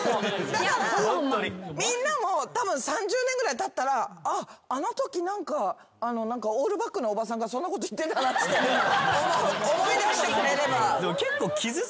だからみんなもたぶん３０年ぐらいたったらあのときオールバックのおばさんがそんなこと言ってたなっつって思い出してくれれば。